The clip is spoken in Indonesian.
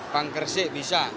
bank gresik bisa